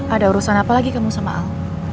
ada urusan apa lagi kamu sama al